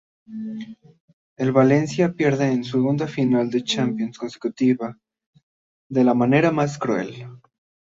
El Valencia pierde su segunda final de Champions consecutiva de la manera más cruel.